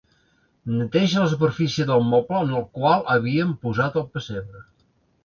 Neteja la superfície del moble en el qual havíem posat el pessebre.